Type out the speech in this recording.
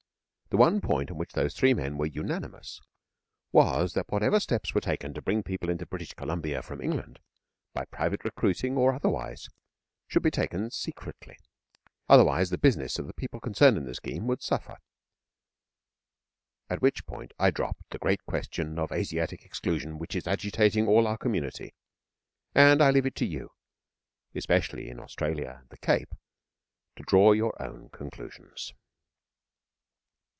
The one point on which those three men were unanimous was, that whatever steps were taken to bring people into British Columbia from England, by private recruiting or otherwise, should be taken secretly. Otherwise the business of the people concerned in the scheme would suffer. At which point I dropped the Great Question of Asiatic Exclusion which is Agitating all our Community; and I leave it to you, especially in Australia and the Cape, to draw your own conclusions.